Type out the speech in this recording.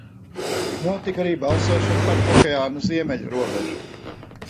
Notika arī balsošana par okeāna ziemeļu robežu.